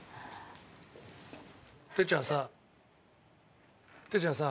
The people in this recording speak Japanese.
哲ちゃんさ哲ちゃんさ。